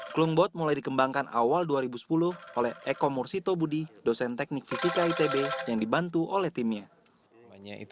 klumbot mulai dikembangkan awal dua ribu sepuluh oleh eko mursito budi dosen teknik fisika itb yang dibantu oleh timnya